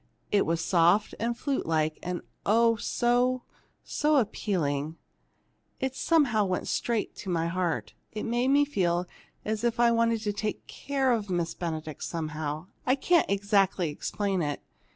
It was soft, and flute like, and so so appealing! It somehow went straight to my heart. It made me feel as if I wanted to take care of Miss Benedict, somehow, I can't exactly explain it.